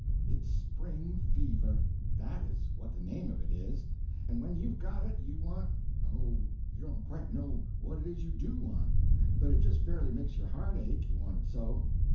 It's spring fever. That is what the name of it is. And when you've got it, you want—oh, you don't quite know what it is you do want, but it just fairly makes your heart ache, you want it so!